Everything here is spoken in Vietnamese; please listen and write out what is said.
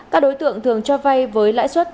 các đối tượng thường cho vay với lãi suất